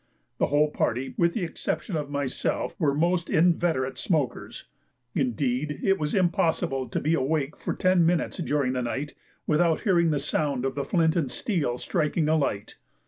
The whole party, with the exception of myself, were most inveterate smokers; indeed it was impossible to be awake for ten minutes during the night without hearing the sound of the flint and steel striking a light.